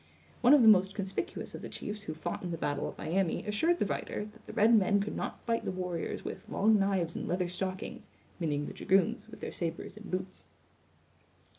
One of the most conspicuous of the chiefs who fought in the battle of Miami assured the writer, that the red men could not fight the warriors with "long knives and leather stockings"; meaning the dragoons with their sabers and boots.